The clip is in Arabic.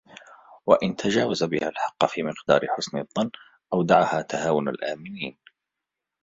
وَإِنْ تَجَاوَزَ بِهَا الْحَقَّ فِي مِقْدَارِ حُسْنِ الظَّنِّ أَوْدَعَهَا تَهَاوُنَ الْآمَنِينَ